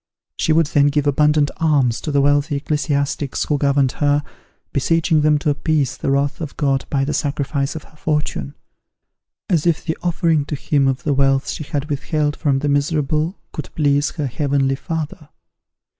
She would then give abundant alms to the wealthy ecclesiastics who governed her, beseeching them to appease the wrath of God by the sacrifice of her fortune, as if the offering to Him of the wealth she had withheld from the miserable could please her Heavenly Father!